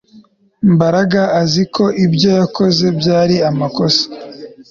Mbaraga azi ko ibyo yakoze byari amakosa